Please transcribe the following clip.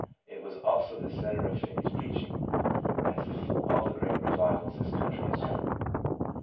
It was also the centre of Finney's preaching as of all the great Eevivals this country has known.